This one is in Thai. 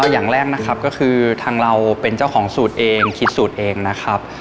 อย่างแรกนะครับก็คือทางเราเป็นเจ้าของสูตรเองคิดสูตรเองนะครับ